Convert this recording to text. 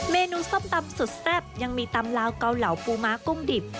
เมนูส้มตำสุดแซ่บยังมีตำลาวเกาเหลาปูม้ากุ้งดิบ